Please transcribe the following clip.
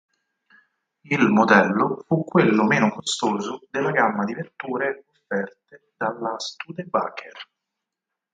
Il modello fu quello meno costoso della gamma di vetture offerte dalla Studebaker.